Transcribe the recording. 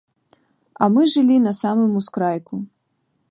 А мы жылі на самым ускрайку.